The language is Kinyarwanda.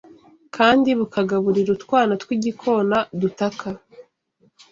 kandi bukagaburira utwana tw’igikona dutaka,